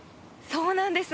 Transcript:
そうなんです。